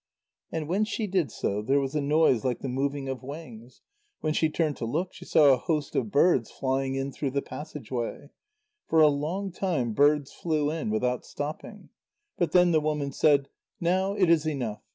And when she did so, there was a noise like the moving of wings. When she turned to look, she saw a host of birds flying in through the passage way. For a long time birds flew in, without stopping. But then the woman said: "Now it is enough."